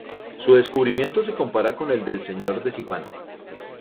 Su descubrimiento se compara con el del Señor de Sipán.